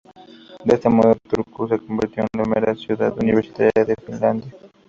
De este modo, Turku se convirtió en la primera ciudad universitaria de Finlandia.